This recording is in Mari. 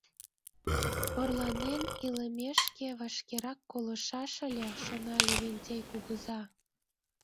Орланен илымешке, вашкерак колышаш ыле», — шона Левентей кугыза.